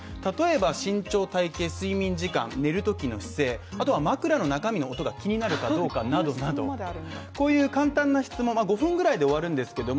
例えば身長体型睡眠時間、寝るときの姿勢、あとは枕の中身の音が気になるかどうかなどなどこういう簡単な質問は５分ぐらいで終わるんですけども、